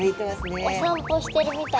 お散歩してるみたい。